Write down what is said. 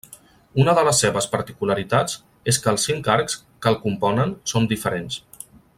Una de les seves particularitats és que els cinc arcs que el componen són diferents.